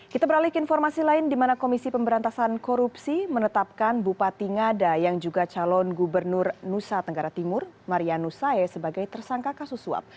kita beralih ke informasi lain di mana komisi pemberantasan korupsi menetapkan bupati ngada yang juga calon gubernur nusa tenggara timur marianus sae sebagai tersangka kasus suap